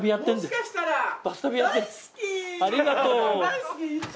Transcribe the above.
ありがとう。